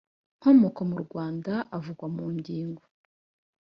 nkomoko mu rwanda uvugwa mu ngingo